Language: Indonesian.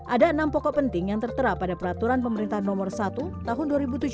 ada enam pokok penting yang tertera pada peraturan pemerintah nomor satu tahun dua ribu tujuh belas